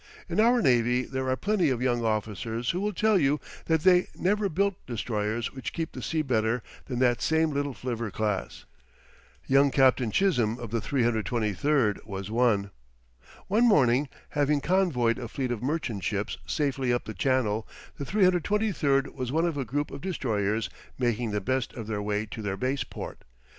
In our navy there are plenty of young officers who will tell you that they never built destroyers which keep the sea better than that same little flivver class. Young Captain Chisholm of the 323 was one. One morning, having convoyed a fleet of merchant ships safely up the channel, the 323 was one of a group of destroyers making the best of their way to their base port.